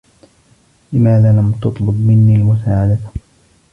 لماذا لم تطلب منّي المساعدة؟